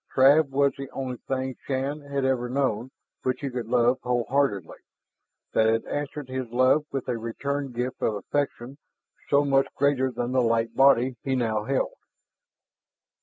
Trav was the only thing Shann had ever known which he could love wholeheartedly, that had answered his love with a return gift of affection so much greater than the light body he now held.